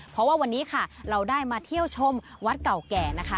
เพราะว่าวันนี้ค่ะเราได้มาเที่ยวชมวัดเก่าแก่นะคะ